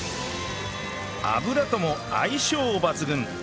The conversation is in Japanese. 油とも相性抜群！